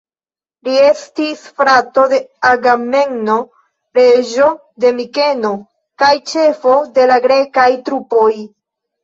Li estis frato de Agamemno, reĝo de Mikeno kaj ĉefo de la grekaj trupoj.